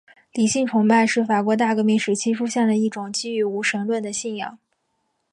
理性崇拜是法国大革命时期出现的一种基于无神论的信仰。